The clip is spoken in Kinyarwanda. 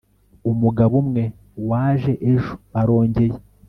Umugabo umwe waje ejo arongeye